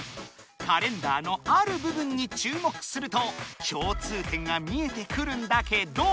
カレンダーのある部分に注目すると共通点が見えてくるんだけど。